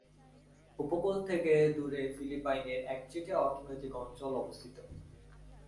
উপকূল থেকে দূরে ফিলিপাইনের একচেটিয়া অর্থনৈতিক অঞ্চল অবস্থিত।